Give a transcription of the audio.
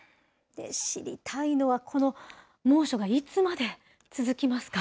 知りたいのはこの猛暑がいつまで続きますか。